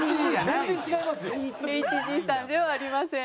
ＨＧさんではありません。